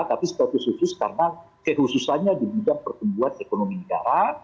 tapi status khusus karena kekhususannya di bidang pertumbuhan ekonomi negara